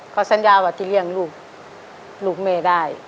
เขาสัญญาว่าจะเลี่ยงลูกลูกแม่ได้